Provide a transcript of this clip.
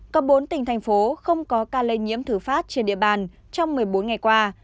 có bốn tỉnh thành phố không có ca lây nhiễm thử phát trên địa bàn trong một mươi bốn ngày qua